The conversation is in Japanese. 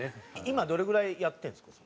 今どれぐらいやってるんですか？